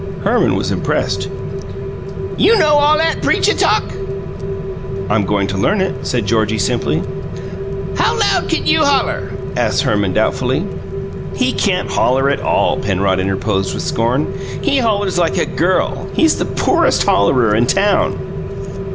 Herman was impressed. "You know all 'at preachuh talk?" "I'm going to learn it," said Georgie simply. "How loud kin you holler?" asked Herman doubtfully. "He can't holler at all," Penrod interposed with scorn. "He hollers like a girl. He's the poorest hollerer in town!"